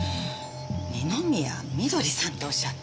二宮緑さんっておっしゃって。